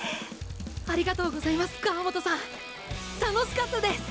ありがとうございます川本さん楽しかったです！